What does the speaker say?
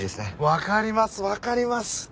わかりますわかります。